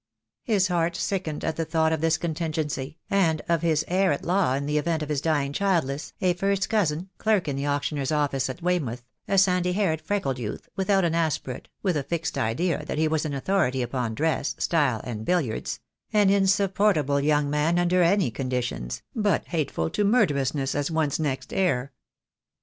His heart sickened at thought of this contingency, and of his heir at law in the event of his dying childless, a first cousin, clerk in an auctioneer's office at Weymouth, a sandy haired freckled youth, without an aspirate, with a fixed idea that he was an authority upon dress, style, and billiards, an insupportable young man under any con ditions, but hateful to murderousness as one's next heir.